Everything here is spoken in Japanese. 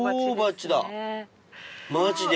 マジで。